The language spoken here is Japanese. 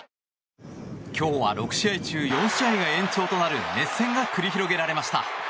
今日は６試合中４試合が延長となる熱戦が繰り広げられました。